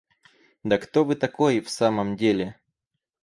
Да кто вы такой, в самом деле?